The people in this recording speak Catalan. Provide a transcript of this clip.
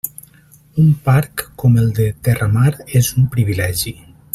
Un parc com el de Terramar és un privilegi.